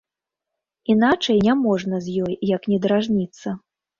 Іначай няможна з ёй, як не дражніцца.